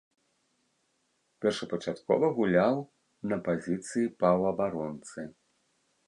Першапачаткова гуляў на пазіцыі паўабаронцы.